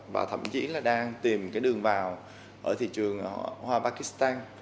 và thậm chí là đang tìm cái đường vào ở thị trường hoa pakistan